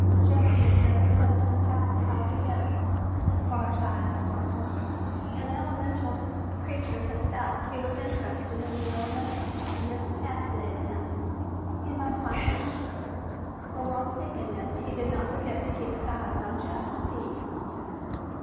Jeff blew another note and Pal howled again. Barr's eyes sparkled. An elemental creature himself, he was interested in the elemental and this fascinated him. He must find the answer, but while seeking it he did not forget to keep his eyes on Jeff and Pete.